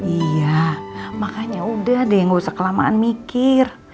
iya makanya udah deh yang gak usah kelamaan mikir